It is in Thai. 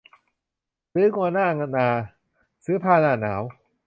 ซื้องัวหน้านา ซื้อผ้าหน้าหนาว